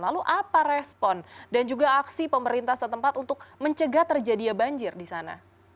lalu apa respon dan juga aksi pemerintah setempat untuk mencegah terjadinya banjir di sana